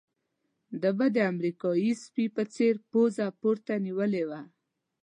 ده به د امریکایي سپي په څېر پوزه پورته نيولې وه.